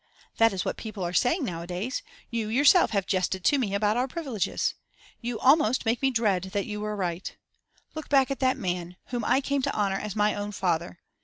That is what people are saying nowadays: you yourself have jested to me about our privileges. You almost make me dread that you were right. Look back at that man, whom I came to honour as my own father.